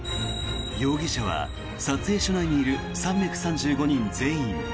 容疑者は撮影所内にいる３３５人全員。